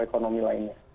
atau ekonomi lainnya